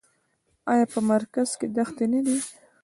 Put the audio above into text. آیا په مرکز کې دښتې نه دي؟